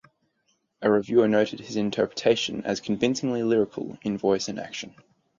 A reviewer noted his interpretation as convincingly lyrical in voice and action.